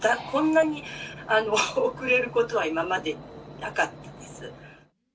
こんなに遅れることは今までなかったです。